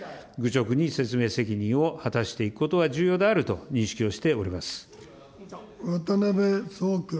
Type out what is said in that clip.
愚直に説明責任を果たしていくことは重要であると認識をしており渡辺創君。